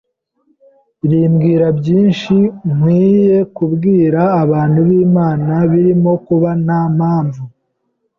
rimbwira byinshi nkwiye kubwira abantu b’Imana birimo kuba nta mpamvu